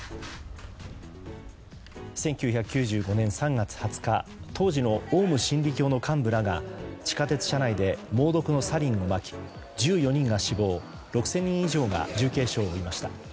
１９９５年３月２０日当時のオウム真理教の幹部らが地下鉄車内で猛毒のサリンをまき１４人が死亡６０００人以上が重軽傷を負いました。